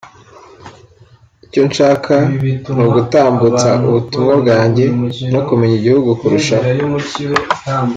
icyo nshaka ni ugutambutsa ubutumwa bwanjye no kumenya igihugu kurushaho